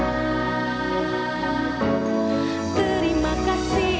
saing studio hal sayaersel